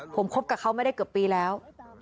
ผมคบกับเขาไม่ได้เกือบปีแล้ว